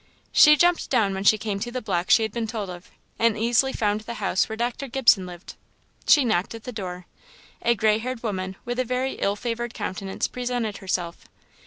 She jumped down when she came to the block she had been told of, and easily found the house where Dr. Gibson lived. She knocked at the door. A grayhaired woman with a very ill favoured countenance presented herself.